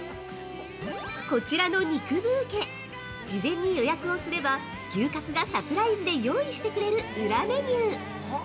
◆こちらの肉ブーケ、事前に予約をすれば牛角がサプライズで用意してくれる裏メニュー。